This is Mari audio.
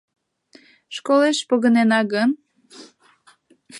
— Школеш погынена гын?